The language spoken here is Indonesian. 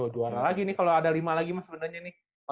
dua orang lagi nih kalau ada lima lagi mas sebenernya nih